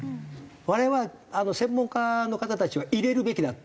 あれは専門家の方たちは入れるべきだと。